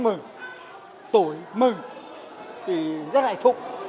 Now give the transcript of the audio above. mừng tuổi mừng thì rất hạnh phúc